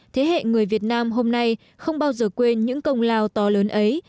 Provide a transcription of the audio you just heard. thế hệ người việt nam hôm nay không bao giờ quên những công lao to lớn ấy